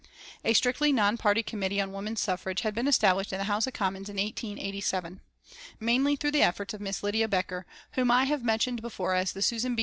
A strictly non party committee on women's suffrage had been established in the House of Commons in 1887, mainly through the efforts of Miss Lydia Becker, whom I have mentioned before as the Susan B.